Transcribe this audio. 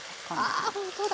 あほんとだ！